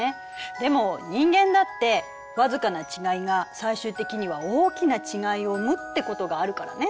でも人間だってわずかな違いが最終的には大きな違いを生むってことがあるからね。